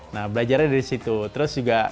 nah belajarnya dari situ